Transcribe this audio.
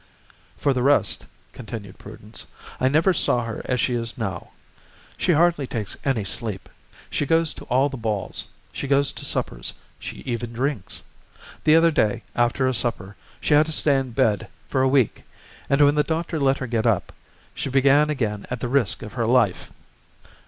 "For the rest," continued Prudence, "I never saw her as she is now; she hardly takes any sleep, she goes to all the balls, she goes to suppers, she even drinks. The other day, after a supper, she had to stay in bed for a week; and when the doctor let her get up, she began again at the risk of her life.